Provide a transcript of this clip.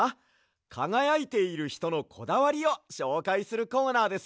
かがやいているひとのこだわりをしょうかいするコーナーですよ。